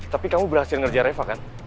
tapi kamu berhasil ngerja reva kan